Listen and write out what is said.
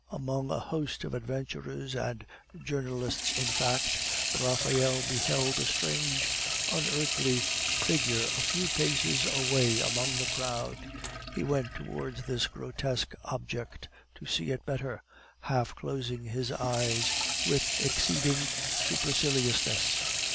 Among a host of adventurers and journalists, in fact, Raphael beheld a strange, unearthly figure a few paces away among the crowd. He went towards this grotesque object to see it better, half closing his eyes with exceeding superciliousness.